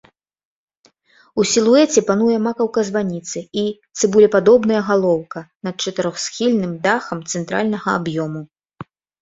У сілуэце пануе макаўка званіцы і цыбулепадобная галоўка над чатырохсхільным дахам цэнтральнага аб'ёму.